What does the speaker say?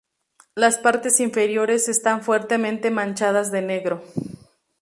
Las partes inferiores están fuertemente manchadas de negro.